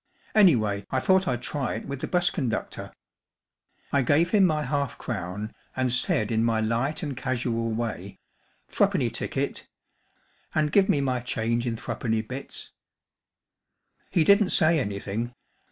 Anyway, I thought I'd try it with the bus conduct or. I gave him my half crown, and said in my light and casual way, * Three¬ penny ticket And give me my change id three¬ penny bits/ i He didn't say anything.